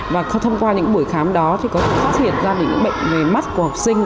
và thông qua những buổi khám đó thì có thể phát hiện ra được những bệnh về mắt của học sinh